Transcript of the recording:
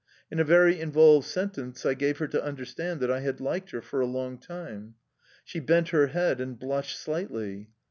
In a very involved sentence I gave her to understand that I had liked her for a long time. She bent her head and blushed slightly.